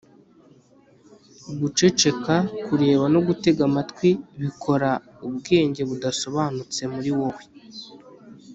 guceceka, kureba, no gutega amatwi bikora ubwenge budasobanutse muri wowe